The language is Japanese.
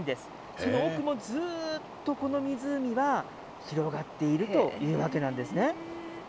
その奥も、ずーっとこの湖は広がっているというわけなんですね。